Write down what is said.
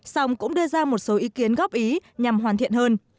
song cũng đưa ra một số ý kiến góp ý nhằm hoàn thiện hơn